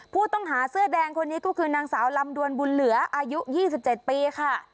ผู้ต้องหาเสื้อแดงคนนี้ก็คือนางสาวลำดวนบุญเหลืออายุ๒๗ปีค่ะ